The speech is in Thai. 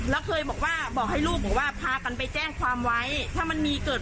แล้วเคยบอกว่าเกิดปัญหาอะไรขึ้นมาก็คือจัดที่นั่น